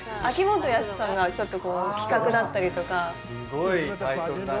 秋元康さんがちょっとこう企画だったりとか。